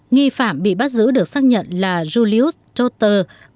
nghi phạm bị bắt giữ được xác nhận là julius choster